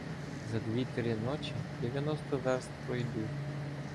За дві-три ночі дев'яносто верст пройду.